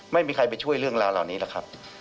ไม่มีใครไปช่วยเรื่องราวเหล่านี้หรอกครับ